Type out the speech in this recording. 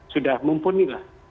sudah mumpuni lah